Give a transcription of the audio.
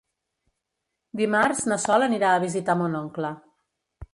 Dimarts na Sol anirà a visitar mon oncle.